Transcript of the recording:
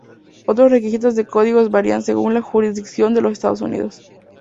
Otros requisitos de códigos varían según la jurisdicción en los Estados Unidos.